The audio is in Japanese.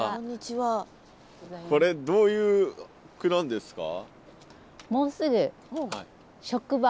これどういう句なんですか？